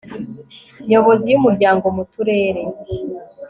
nyobozi y umuryango mu turere